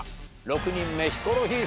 ６人目ヒコロヒーさん